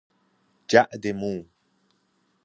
جعد مو